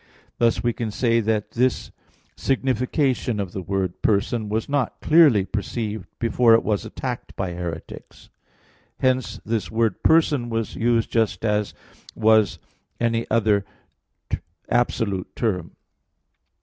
Thus we can say that this signification of the word "person" was not clearly perceived before it was attacked by heretics. Hence, this word "person" was used just as any other absolute term.